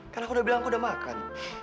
kan aku sudah bilang saya sudah makan